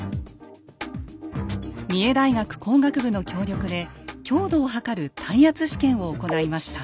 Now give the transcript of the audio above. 三重大学工学部の協力で強度を測る耐圧試験を行いました。